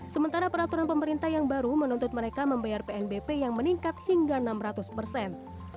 sementara peraturan pemerintah yang baru menuntut mereka membayar pnbp yang meningkat hingga enam ratus persen